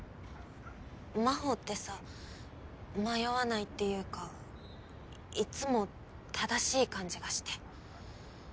真帆ってさ迷わないっていうかいっつも正しい感じがして。